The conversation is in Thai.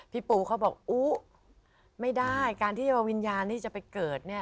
พี่ปูเขาบอกอุ๊ไม่ได้การที่วิญญาณจะไปเกิด